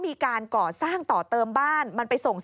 นี่ค่ะคุณผู้ชมพอเราคุยกับเพื่อนบ้านเสร็จแล้วนะน้า